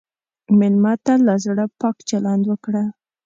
مېلمه ته له زړه پاک چلند وکړه.